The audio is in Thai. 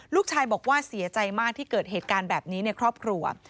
ลูกชายบอกว่าเสียใจมากที่เกิดเหตุการณ์แบบนี้ในครอบครัว